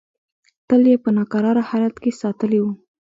تل یې په ناکراره حالت کې ساتلې وه.